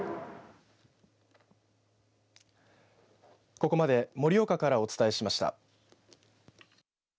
ここまで盛岡からお伝えしました。